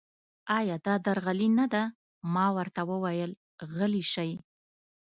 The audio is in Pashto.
ایا دا درغلي نه ده؟ ما ورته وویل: غلي شئ.